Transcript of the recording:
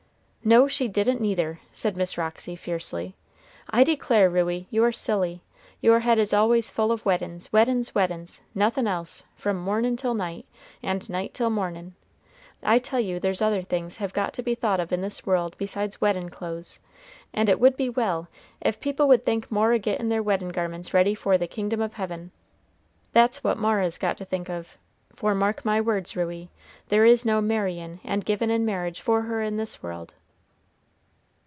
"No she didn't, neither," said Miss Roxy, fiercely. "I declare, Ruey, you are silly; your head is always full of weddin's, weddin's, weddin's nothin' else from mornin' till night, and night till mornin'. I tell you there's other things have got to be thought of in this world besides weddin' clothes, and it would be well, if people would think more o' gettin' their weddin' garments ready for the kingdom of heaven. That's what Mara's got to think of; for, mark my words, Ruey, there is no marryin' and givin' in marriage for her in this world."